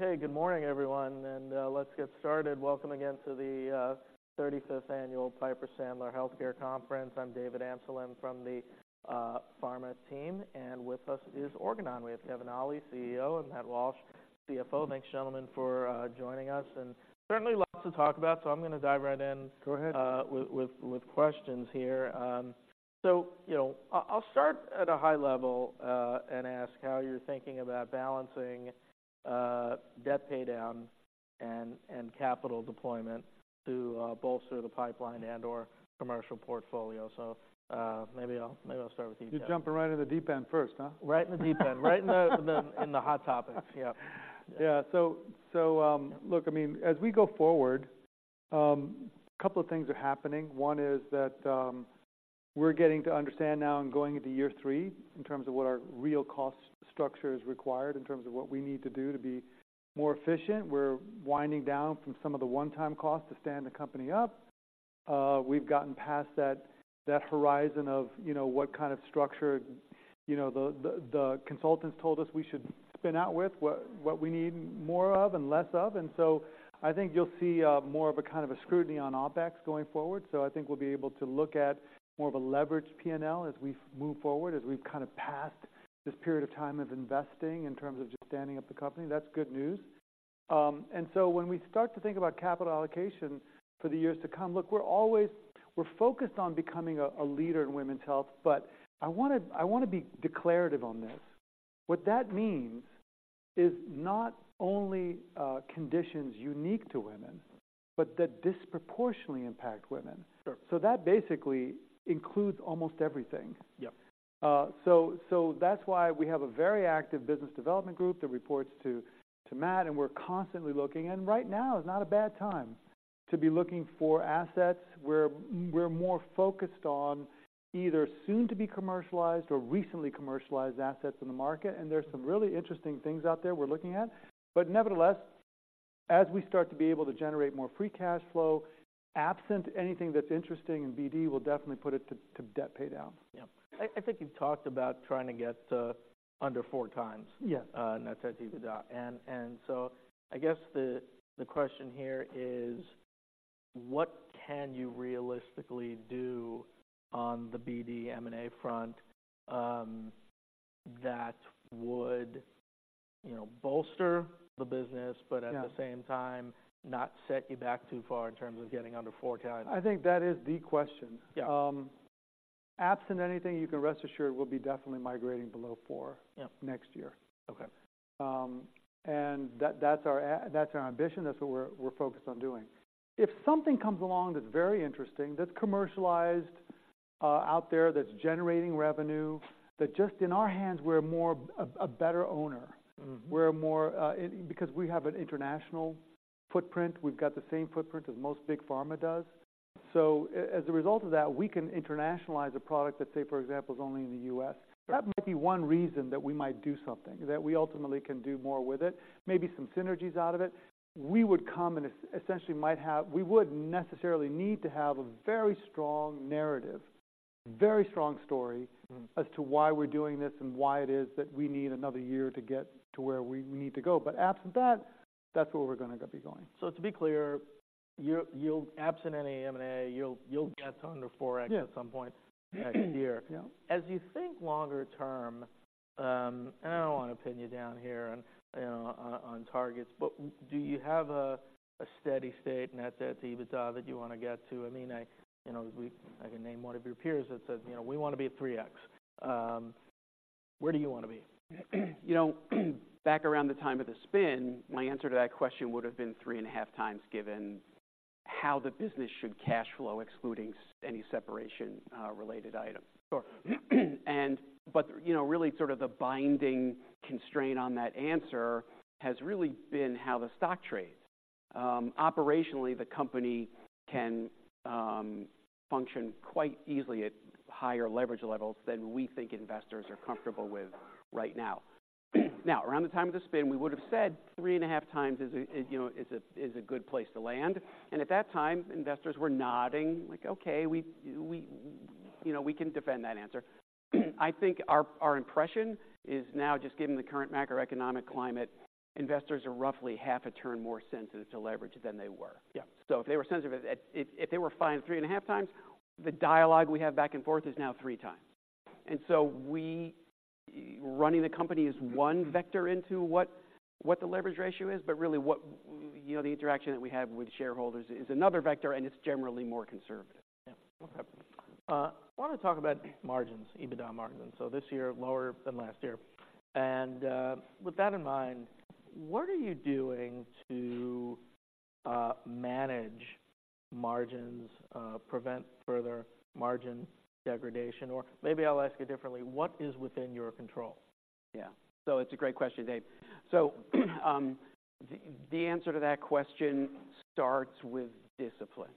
Okay, good morning, everyone, and let's get started. Welcome again to the 35th Annual Piper Sandler Healthcare Conference. I'm David Amsellem from the pharma team, and with us is Organon. We have Kevin Ali, CEO, and Matt Walsh, CFO. Thanks, gentlemen, for joining us, and certainly lots to talk about, so I'm gonna dive right in- Go ahead. with questions here. So, you know, I'll start at a high level and ask how you're thinking about balancing debt paydown and capital deployment to bolster the pipeline and/or commercial portfolio. So, maybe I'll start with you, Kevin. You're jumping right in the deep end first, huh? Right in the deep end. Right in the in the hot topics. Yeah. Yeah. So, look, I mean, as we go forward, a couple of things are happening. One is that we're getting to understand now and going into year three, in terms of what our real cost structure is required, in terms of what we need to do to be more efficient. We're winding down from some of the one-time costs to stand the company up. We've gotten past that horizon of, you know, what kind of structure, you know, the consultants told us we should spin out with, what we need more of and less of, and so I think you'll see more of a kind of a scrutiny on OpEx going forward. So I think we'll be able to look at more of a leveraged P&L as we move forward, as we've kind of passed this period of time of investing in terms of just standing up the company. That's good news. And so when we start to think about capital allocation for the years to come, look, we're always—we're focused on becoming a leader in women's health, but I want to, I want to be declarative on this. What that means is not only conditions unique to women, but that disproportionately impact women. Sure. That basically includes almost everything. Yep. So, that's why we have a very active business development group that reports to Matt, and we're constantly looking. Right now is not a bad time to be looking for assets, where we're more focused on either soon-to-be commercialized or recently commercialized assets in the market. There's some really interesting things out there we're looking at. But nevertheless, as we start to be able to generate more free cash flow, absent anything that's interesting in BD, we'll definitely put it to debt paydown. Yeah. I think you've talked about trying to get under four times- Yeah. net debt to EBITDA. And so I guess the question here is, what can you realistically do on the BD M&A front that would, you know, bolster the business, but- Yeah... at the same time, not set you back too far in terms of getting under 4x? I think that is the question. Yeah. Absent anything, you can rest assured we'll be definitely migrating below four- Yeah. -next year. Okay. And that, that's our ambition. That's what we're focused on doing. If something comes along that's very interesting, that's commercialized, out there, that's generating revenue, that just in our hands, we're more of a better owner. Mm-hmm. We're more. Because we have an international footprint, we've got the same footprint as most big pharma does. So as a result of that, we can internationalize a product that, say, for example, is only in the U.S. That might be one reason that we might do something, that we ultimately can do more with it, maybe some synergies out of it. We would come and essentially might have. We would necessarily need to have a very strong narrative, very strong story- Mm-hmm. as to why we're doing this and why it is that we need another year to get to where we need to go. But absent that, that's where we're gonna be going. So to be clear, absent any M&A, you'll get under 4x- Yeah At some point next year. Yeah. As you think longer term, and I don't want to pin you down here on, you know, on targets, but do you have a steady state net debt to EBITDA that you want to get to? I mean, you know, I can name one of your peers that says, "You know, we want to be at 3x." Where do you want to be? You know, back around the time of the spin, my answer to that question would have been 3.5x, given how the business should cash flow, excluding any separation related items. Sure. You know, really sort of the binding constraint on that answer has really been how the stock trades. Operationally, the company can function quite easily at higher leverage levels than we think investors are comfortable with right now. Now, around the time of the spin, we would have said 3.5x is a good place to land. And at that time, investors were nodding, like: Okay, we can defend that answer. I think our impression is now, just given the current macroeconomic climate, investors are roughly half a turn more sensitive to leverage than they were. Yeah. So if they were sensitive... If they were fine 3.5x, the dialogue we have back and forth is now 3x. And so we, running the company is one vector into what the leverage ratio is, but really what, you know, the interaction that we have with shareholders is another vector, and it's generally more conservative. Yeah. Okay. I want to talk about margins, EBITDA margins. So this year, lower than last year. And, with that in mind, what are you doing to, manage margins, prevent further margin degradation, or maybe I'll ask you differently: What is within your control? Yeah. So it's a great question, Dave. The answer to that question starts with discipline.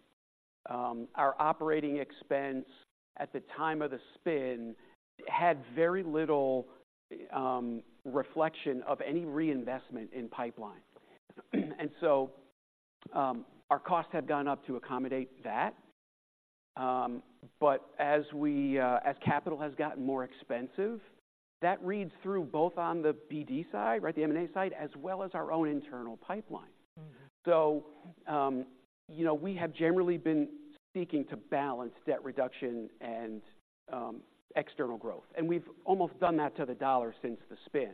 Our operating expense at the time of the spin had very little reflection of any reinvestment in pipeline. And so, our costs have gone up to accommodate that. But as we, as capital has gotten more expensive, that reads through both on the BD side, right, the M&A side, as well as our own internal pipeline. Mm-hmm. So, you know, we have generally been seeking to balance debt reduction and external growth, and we've almost done that to the dollar since the spin.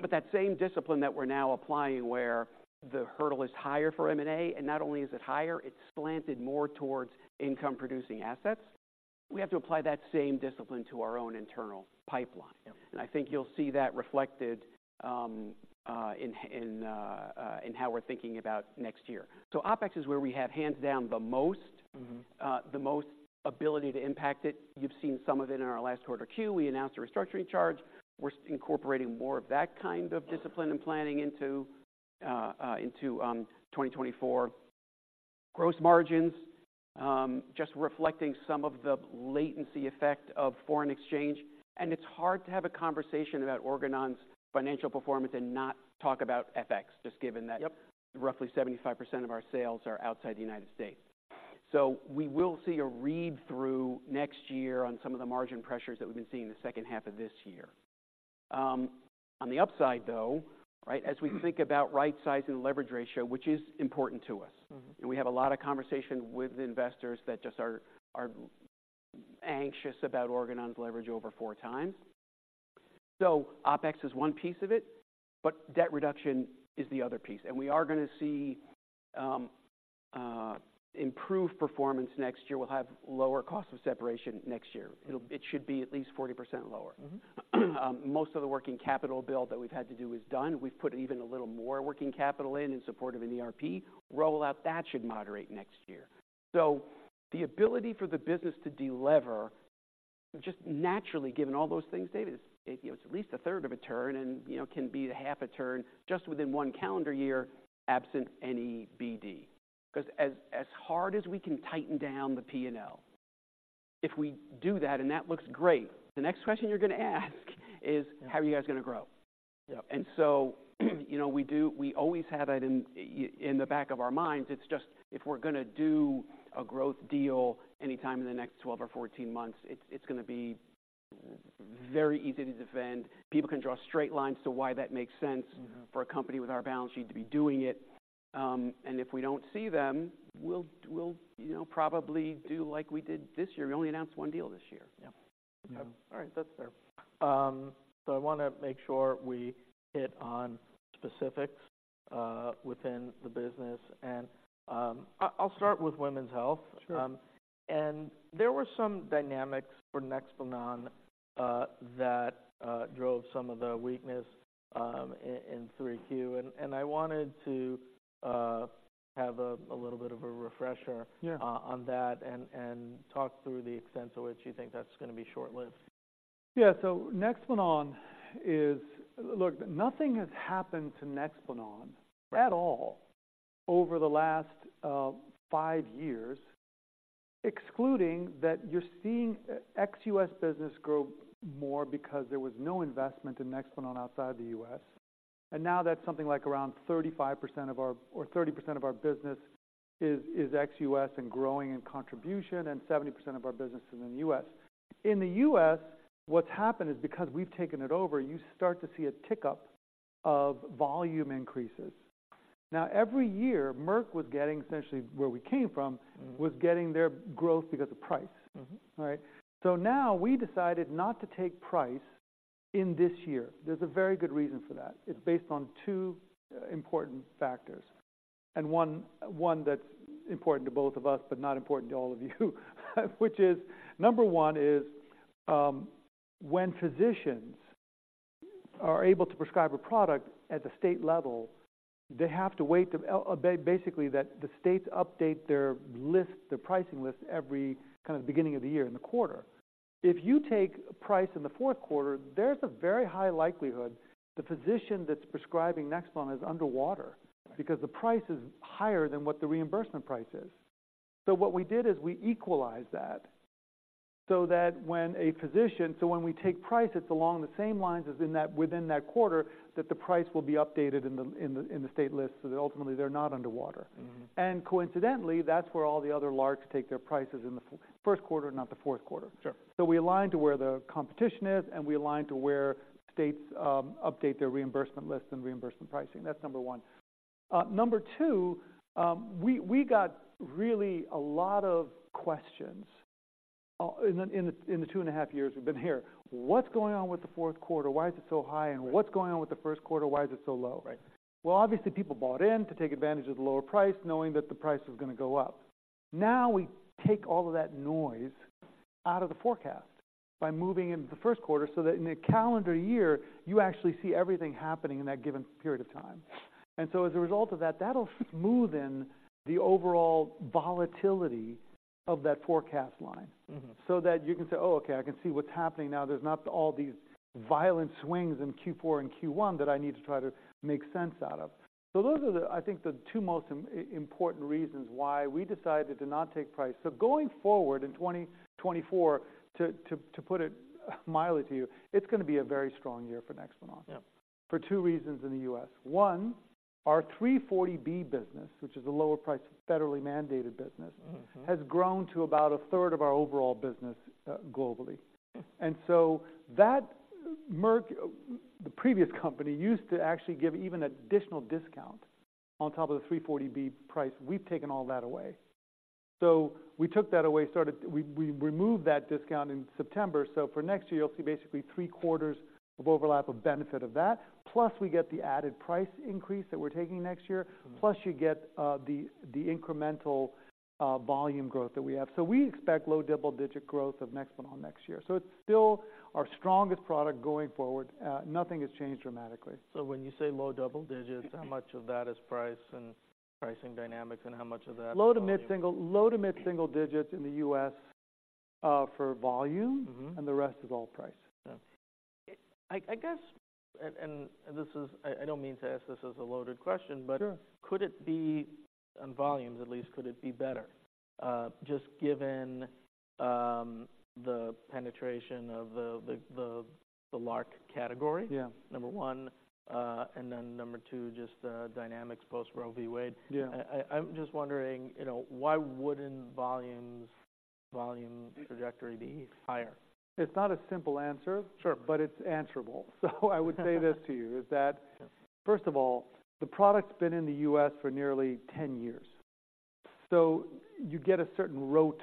But that same discipline that we're now applying, where the hurdle is higher for M&A, and not only is it higher, it's slanted more towards income-producing assets. We have to apply that same discipline to our own internal pipeline. Yep. And I think you'll see that reflected in how we're thinking about next year. So OpEx is where we have hands down the most- Mm-hmm. The most ability to impact it. You've seen some of it in our last quarter Q. We announced a restructuring charge. We're incorporating more of that kind of discipline and planning into 2024. Gross margins just reflecting some of the latency effect of foreign exchange. And it's hard to have a conversation about Organon's financial performance and not talk about FX, just given that- Yep... roughly 75% of our sales are outside the United States. So we will see a read-through next year on some of the margin pressures that we've been seeing in the second half of this year. On the upside, though, right, as we think about right size and leverage ratio, which is important to us- Mm-hmm. We have a lot of conversation with investors that just are anxious about Organon's leverage over 4x. So OpEx is one piece of it, but debt reduction is the other piece, and we are gonna see improved performance next year. We'll have lower cost of separation next year. It should be at least 40% lower. Mm-hmm. Most of the working capital build that we've had to do is done. We've put even a little more working capital in in support of an ERP rollout. That should moderate next year. So the ability for the business to delever, just naturally, given all those things, David, is, you know, it's at least a third of a turn and, you know, can be half a turn just within one calendar year, absent any BD. 'Cause as, as hard as we can tighten down the P&L, if we do that, and that looks great, the next question you're gonna ask is- Yeah. How are you guys gonna grow? Yeah. And so, you know, we do—we always have that in the back of our minds. It's just, if we're gonna do a growth deal anytime in the next 12 or 14 months, it's gonna be very easy to defend. People can draw straight lines to why that makes sense- Mm-hmm. for a company with our balance sheet to be doing it. And if we don't see them, we'll, you know, probably do like we did this year. We only announced one deal this year. Yeah. Yeah. All right. That's fair. So I wanna make sure we hit on specifics within the business, and I'll start with women's health. Sure. And there were some dynamics for Nexplanon that drove some of the weakness in 3Q. And I wanted to have a little bit of a refresher- Yeah... on that and talk through the extent to which you think that's gonna be short-lived. Yeah. So Nexplanon is... Look, nothing has happened to Nexplanon at all over the last five years, excluding that you're seeing ex-U.S. business grow more because there was no investment in Nexplanon outside the U.S. And now that's something like around 35% of our, or 30% of our business is ex-U.S., and growing in contribution, and 70% of our business is in the U.S. In the U.S., what's happened is because we've taken it over, you start to see a tick-up of volume increases. Now, every year, Merck was getting, essentially where we came from- Mm-hmm. was getting their growth because of price. Mm-hmm. All right? So now we decided not to take price in this year. There's a very good reason for that. It's based on two important factors, and one, one that's important to both of us, but not important to all of you. Which is, number one is, when physicians are able to prescribe a product at the state level, they have to wait to basically, that the states update their list, their pricing list, every kind of beginning of the year, in the quarter. If you take price in the fourth quarter, there's a very high likelihood the physician that's prescribing Nexplanon is underwater- Right... because the price is higher than what the reimbursement price is. So what we did is we equalized that, so that when we take price, it's along the same lines as in that, within that quarter, that the price will be updated in the state list, so that ultimately they're not underwater. Mm-hmm. Coincidentally, that's where all the other large take their prices, in the first quarter, not the fourth quarter. Sure. So we align to where the competition is, and we align to where states update their reimbursement lists and reimbursement pricing. That's number one. Number two, we got really a lot of questions in the two and a half years we've been here. What's going on with the fourth quarter? Why is it so high? Right. What's going on with the first quarter, why is it so low? Right. Well, obviously, people bought in to take advantage of the lower price, knowing that the price was gonna go up. Now, we take all of that noise out of the forecast by moving into the first quarter, so that in a calendar year, you actually see everything happening in that given period of time. And so as a result of that, that'll smoothen the overall volatility of that forecast line. Mm-hmm. So that you can say, "Oh, okay, I can see what's happening now. There's not all these violent swings in Q4 and Q1 that I need to try to make sense out of." So those are the, I think, the two most important reasons why we decided to not take price. So going forward in 2024, to put it mildly to you, it's gonna be a very strong year for Nexplanon- Yeah... for two reasons in the U.S. One, our 340B business, which is a lower priced, federally mandated business- Mm-hmm has grown to about a 1/3 of our overall business, globally. And so that, Merck, the previous company used to actually give even additional discount on top of the 340B price. We've taken all that away. So we took that away. We removed that discount in September. So for next year, you'll see basically three quarters of overlap of benefit of that. Plus, we get the added price increase that we're taking next year. Mm-hmm. Plus, you get the incremental volume growth that we have. So we expect low double-digit growth of Nexplanon next year. So it's still our strongest product going forward. Nothing has changed dramatically. So when you say low double digits, how much of that is price and pricing dynamics, and how much of that- Low to mid-single, low to mid-single digits in the U.S., for volume. Mm-hmm. And the rest is all price. Yeah. I guess, and this is... I don't mean to ask this as a loaded question, but- Sure... could it be, on volumes at least, could it be better? Just given the penetration of the LARC category? Yeah. Number one, and then number two, just the dynamics post Roe v. Wade. Yeah. I'm just wondering, you know, why wouldn't volumes, volume trajectory be higher? It's not a simple answer. Sure. But it's answerable. So I would say this to you, is that, first of all, the product's been in the U.S. for nearly 10 years, so you get a certain rote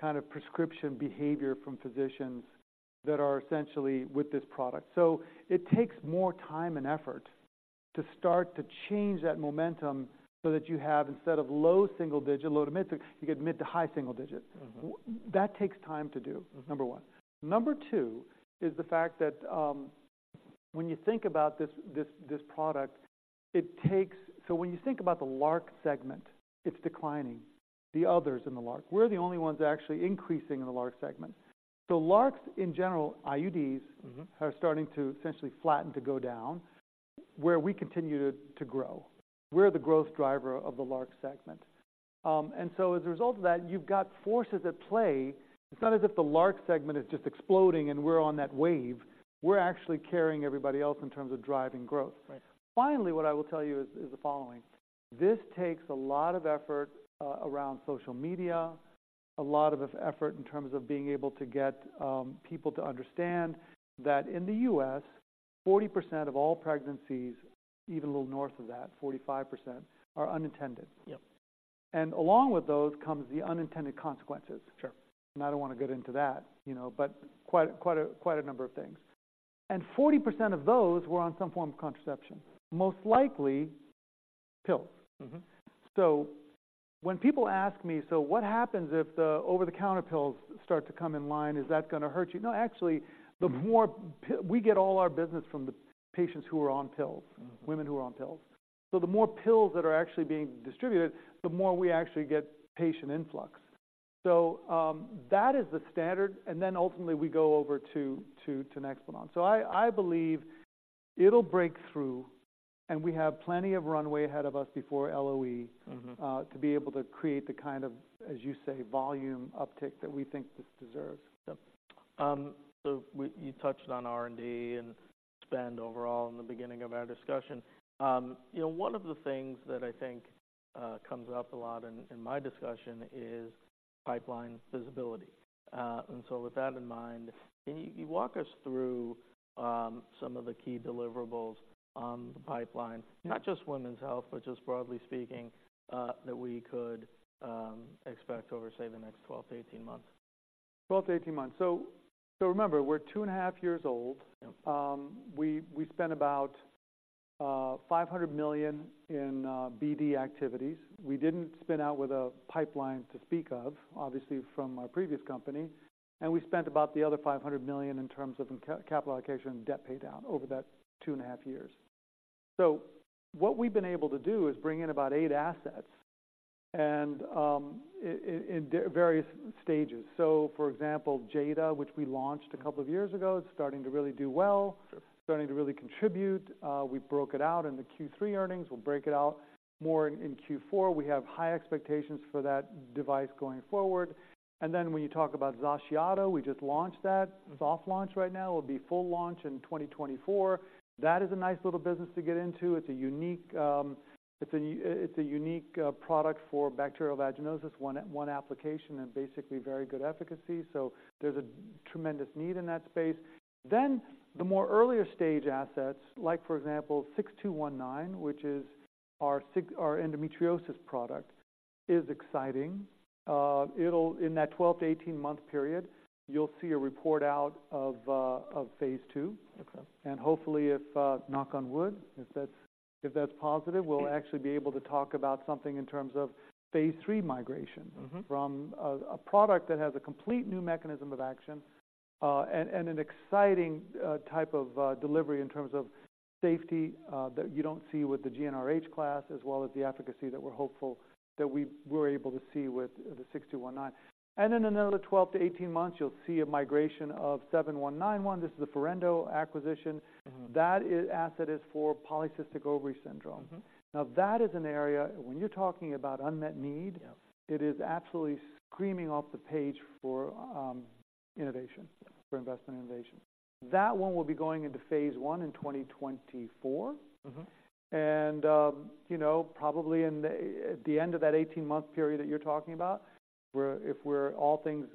kind of prescription behavior from physicians that are essentially with this product. So it takes more time and effort to start to change that momentum so that you have, instead of low single digit, low to mid, you get mid to high single digit. Mm-hmm. that takes time to do- Mm. Number one. Number two is the fact that, when you think about this product, it takes... So when you think about the LARC segment, it's declining, the others in the LARC. We're the only ones actually increasing in the LARC segment. So LARCs in general, IUDs. Mm-hmm are starting to essentially flatten to go down, where we continue to grow. We're the growth driver of the LARC segment. And so as a result of that, you've got forces at play. It's not as if the LARC segment is just exploding and we're on that wave. We're actually carrying everybody else in terms of driving growth. Right. Finally, what I will tell you is the following: this takes a lot of effort around social media, a lot of effort in terms of being able to get people to understand that in the U.S., 40% of all pregnancies, even a little north of that, 45%, are unintended. Yep. Along with those comes the unintended consequences. Sure. I don't want to get into that, you know, but quite a number of things. 40% of those were on some form of contraception, most likely, pills. Mm-hmm. So when people ask me: So what happens if the over-the-counter pills start to come in line? Is that gonna hurt you? No, actually, the more we get all our business from the patients who are on pills. Mm-hmm. Women who are on pills. So the more pills that are actually being distributed, the more we actually get patient influx. So, that is the standard, and then ultimately, we go over to Nexplanon. So I believe it'll break through, and we have plenty of runway ahead of us before LOE- Mm-hmm... to be able to create the kind of, as you say, volume uptick that we think this deserves. Yep. So you touched on R&D and spend overall in the beginning of our discussion. You know, one of the things that I think comes up a lot in my discussion is pipeline visibility. And so with that in mind, can you walk us through some of the key deliverables on the pipeline? Yeah. Not just women's health, but just broadly speaking, that we could expect over, say, the next 12-18 months. 12-18 months. So, remember, we're two and a half years old. Yep. We spent about $500 million in BD activities. We didn't spin out with a pipeline to speak of, obviously, from our previous company, and we spent about the other $500 million in terms of capital allocation and debt paydown over that two and a half years. So what we've been able to do is bring in about 8 assets in various stages. So for example, JADA, which we launched a couple of years ago, is starting to really do well. Sure. Starting to really contribute. We broke it out in the Q3 earnings. We'll break it out more in Q4. We have high expectations for that device going forward. And then when you talk about XACIATO, we just launched that. Mm-hmm. Soft launch right now. It will be full launch in 2024. That is a nice little business to get into. It's a unique product for bacterial vaginosis, one application, and basically very good efficacy, so there's a tremendous need in that space. Then the more earlier stage assets, like for example, 6219, which is our endometriosis product, is exciting. In that 12-18 month period, you'll see a report out of Phase II. Okay. Hopefully, knock on wood, if that's positive- Sure We'll actually be able to talk about something in terms of Phase III migration. Mm-hmm from a product that has a complete new mechanism of action, and an exciting type of delivery in terms of safety that you don't see with the GnRH class, as well as the efficacy that we're hopeful that we were able to see with the 6219. In another 12-18 months, you'll see a migration of 7191. This is a Forendo acquisition. Mm-hmm. That asset is for polycystic ovary syndrome. Mm-hmm. Now, that is an area, when you're talking about unmet need- Yeah... it is absolutely screaming off the page for innovation. Yeah. For investment innovation. That one will be going into Phase I in 2024. Mm-hmm. You know, probably at the end of that 18-month period that you're talking about... if all things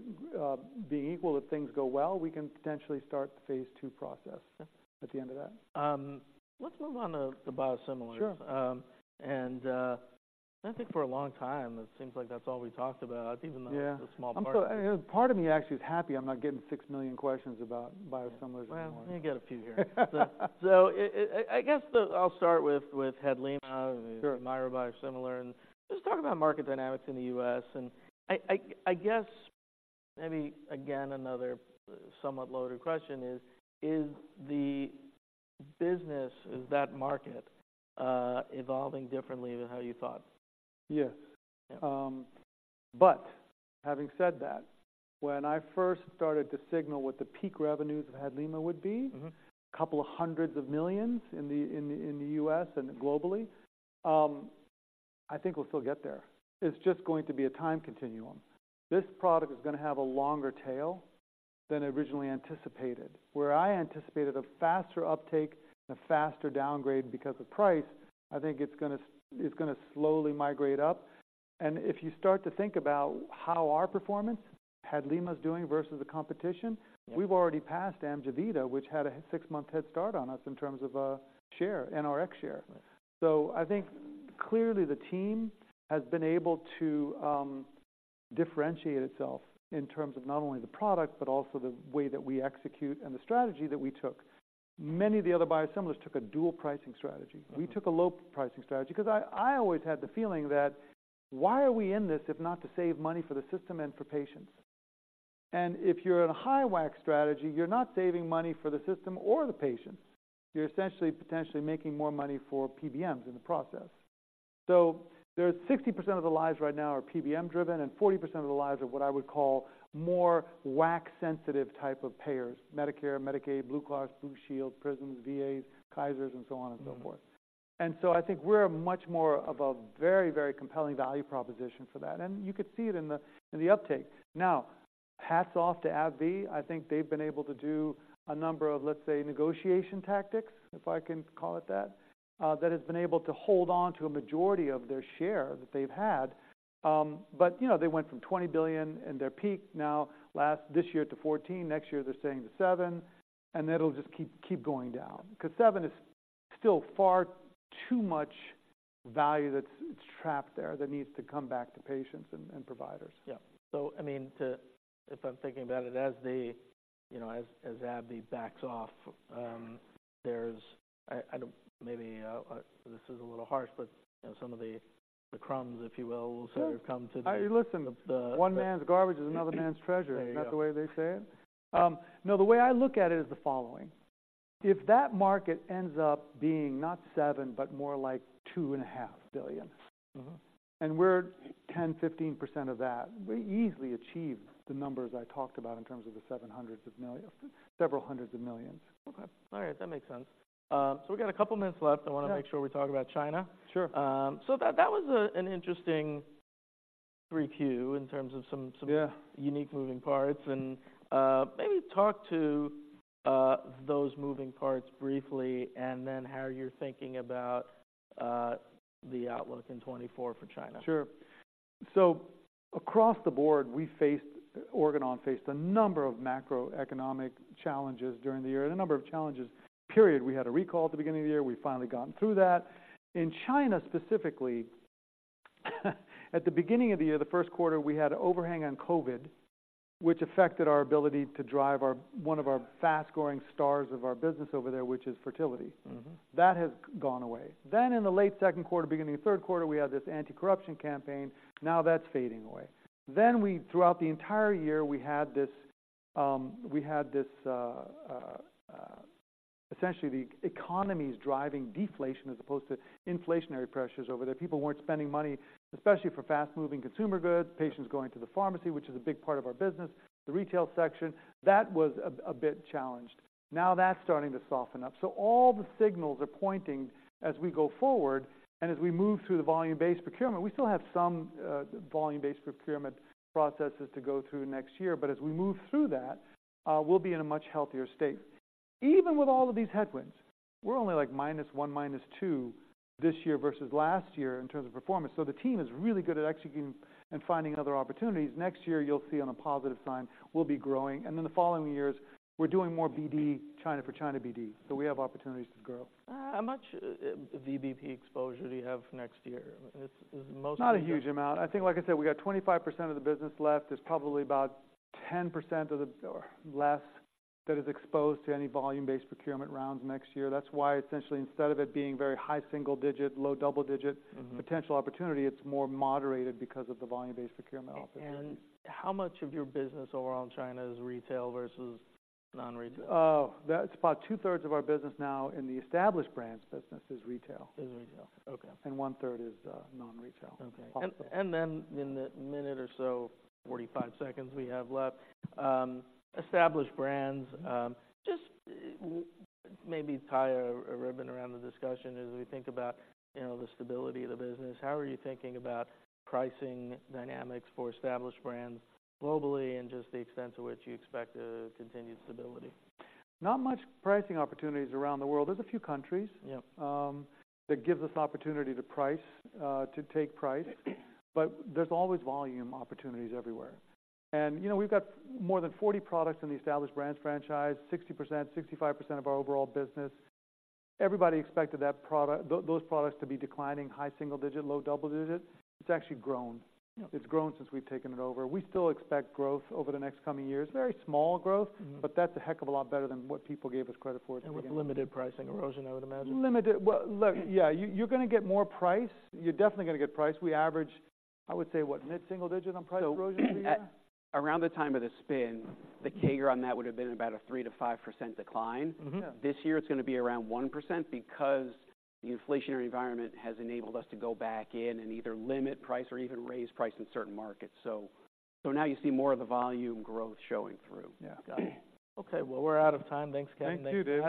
being equal, if things go well, we can potentially start the Phase II process- Yeah. at the end of that. Let's move on to the biosimilars. Sure. I think for a long time, it seems like that's all we talked about, even though- Yeah It's a small part. I'm so... Part of me actually is happy I'm not getting 6 million questions about biosimilars anymore. Well, you get a few here. So I guess I'll start with HADLIMA- Sure HUMIRA biosimilar, and just talk about market dynamics in the U.S. I guess maybe again, another somewhat loaded question is: Is the business of that market evolving differently than how you thought? Yes. Yeah. But having said that, when I first started to signal what the peak revenues of HADLIMA would be- Mm-hmm... $200 million in the U.S. and globally. I think we'll still get there. It's just going to be a time continuum. This product is going to have a longer tail than originally anticipated, where I anticipated a faster uptake and a faster downgrade because of price. I think it's gonna slowly migrate up, and if you start to think about how our performance, HADLIMA's doing versus the competition- Yeah... we've already passed AMJEVITA, which had a six-month head start on us in terms of, share, NRX share. Right. I think clearly the team has been able to differentiate itself in terms of not only the product, but also the way that we execute and the strategy that we took. Many of the other biosimilars took a dual pricing strategy. Mm-hmm. We took a low pricing strategy because I always had the feeling that why are we in this, if not to save money for the system and for patients? And if you're in a high WAC strategy, you're not saving money for the system or the patients. You're essentially potentially making more money for PBMs in the process. So there's 60% of the lives right now are PBM-driven, and 40% of the lives are what I would call more WAC-sensitive type of payers: Medicare, Medicaid, Blue Cross, Blue Shield, Prime, VAs, Kaisers, and so on and so forth. Mm-hmm. And so I think we're much more of a very, very compelling value proposition for that, and you could see it in the uptake. Now, hats off to AbbVie. I think they've been able to do a number of, let's say, negotiation tactics, if I can call it that, that has been able to hold on to a majority of their share that they've had. But, you know, they went from $20 billion in their peak now this year to $14 billion. Next year, they're saying to $7 billion, and it'll just keep, keep going down, because $7 billion is still far too much value that's, that's trapped there, that needs to come back to patients and, and providers. Yeah. So, I mean, to—if I'm thinking about it, as the, you know, as AbbVie backs off, there's... I don't—maybe this is a little harsh, but, you know, some of the crumbs, if you will, sort of come to the- Hey, listen, one man's garbage is another man's treasure. There you go. Is that the way they say it? No, the way I look at it is the following: if that market ends up being not $7 billion, but more like $2.5 billion- Mm-hmm... and we're 10%-15% of that, we easily achieve the numbers I talked about in terms of the $700 million, several hundred million. Okay. All right, that makes sense. So we got a couple of minutes left. Yeah. I want to make sure we talk about China. Sure. So that was an interesting 3Q in terms of some. Yeah... unique moving parts and, maybe talk to those moving parts briefly and then how you're thinking about the outlook in 2024 for China. Sure. So across the board, we faced, Organon faced a number of macroeconomic challenges during the year and a number of challenges, period. We had a recall at the beginning of the year. We've finally gotten through that. In China, specifically, at the beginning of the year, the first quarter, we had an overhang on COVID, which affected our ability to drive our... one of our fast-growing stars of our business over there, which is fertility. Mm-hmm. That has gone away. Then in the late second quarter, beginning of third quarter, we had this anti-corruption campaign. Now that's fading away. Then throughout the entire year, we had this, essentially, the economy's driving deflation as opposed to inflationary pressures over there. People weren't spending money, especially for fast-moving consumer goods, patients going to the pharmacy, which is a big part of our business, the retail section. That was a bit challenged. Now that's starting to soften up. So all the signals are pointing as we go forward and as we move through the volume-based procurement, we still have some volume-based procurement processes to go through next year, but as we move through that, we'll be in a much healthier state. Even with all of these headwinds, we're only like minus one, minus two this year versus last year in terms of performance. So the team is really good at executing and finding other opportunities. Next year, you'll see on a positive sign, we'll be growing, and then the following years, we're doing more BD, China for China BD. So we have opportunities to grow. How much VBP exposure do you have next year? It's mostly- Not a huge amount. I think, like I said, we got 25% of the business left. There's probably about 10% of the, or less, that is exposed to any volume-based procurement rounds next year. That's why essentially, instead of it being very high single digit, low double digit- Mm-hmm... potential opportunity, it's more moderated because of the volume-based procurement office. How much of your business overall in China is retail versus non-retail? Oh, that's about 2/3 of our business now in the established brands business is retail. Is retail. Okay. One-third is non-retail. Okay. And then in the minute or so, 45 seconds we have left, established brands, just maybe tie a ribbon around the discussion as we think about, you know, the stability of the business. How are you thinking about pricing dynamics for established brands globally and just the extent to which you expect a continued stability? Not much pricing opportunities around the world. There's a few countries- Yeah... that give us opportunity to price, to take price. But there's always volume opportunities everywhere. And, you know, we've got more than 40 products in the established brands franchise, 60%, 65% of our overall business. Everybody expected that product, those products to be declining, high single digit, low double digit. It's actually grown. Yeah. It's grown since we've taken it over. We still expect growth over the next coming years. Very small growth. Mm-hmm... but that's a heck of a lot better than what people gave us credit for at the beginning. With limited pricing erosion, I would imagine. Limited. Well, look, yeah, you, you're gonna get more price. You're definitely gonna get price. We average, I would say, what? Mid-single digit on price erosion here. So, around the time of the spin, the CAGR on that would have been about a 3%-5% decline. Mm-hmm. This year, it's gonna be around 1% because the inflationary environment has enabled us to go back in and either limit price or even raise price in certain markets. So now you see more of the volume growth showing through. Yeah. Got it. Okay, well, we're out of time. Thanks, Kevin. Thank you, David.